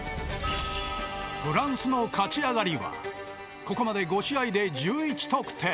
フランスの勝ち上がりはここまで５試合で１１得点。